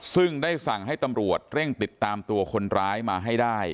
ซึ่งได้สั่งให้ตำรวจเร่งติดตามตัวคนร้ายมาให้ได้